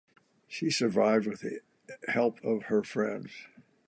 She survived with the help of her friends.